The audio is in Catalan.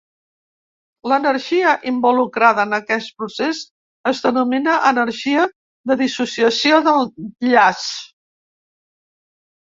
L'energia involucrada en aquest procés es denomina energia de dissociació d'enllaç.